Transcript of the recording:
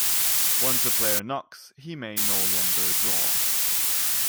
Once a player knocks, he may no longer draw.